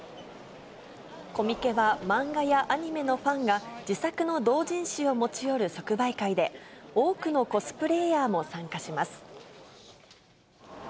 コミケは、漫画やアニメのファンが、自作の同人誌を持ち寄る即売会で、多くのコスプレーヤーも参加します。